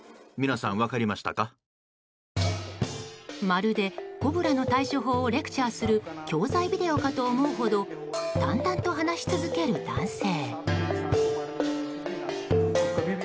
まるでコブラの対処法をレクチャーする教材ビデオかと思うほど淡々と話し続ける男性。